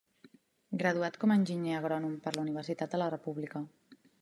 Graduat com a enginyer agrònom per la Universitat de la República.